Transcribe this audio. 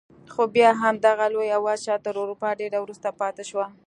خو بیا هم دغه لویه وچه تر اروپا ډېره وروسته پاتې شوه.